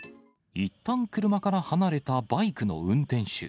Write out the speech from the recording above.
いったん車から離れたバイクの運転手。